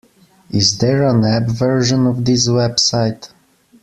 Is there an app version of this website?